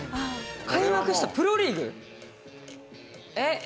開幕したプロリーグ？えっ？